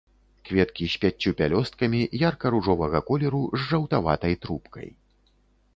Кветкі з пяццю пялёсткамі, ярка-ружовага колеру з жаўтаватай трубкай.